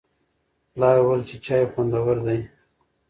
پلار وویل چې چای خوندور دی.